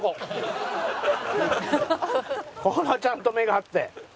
ほらちゃんと目があって。